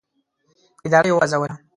اداره یې وغځوله.